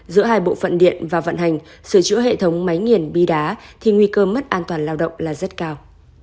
giữa hai bộ phận điện và vận hành sửa chữa hệ thống máy nghiền bi đá thì nguy cơ mất an toàn lao động là rất cao